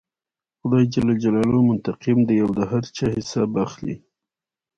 خدای جل جلاله منتقم دی او د هر چا حساب اخلي.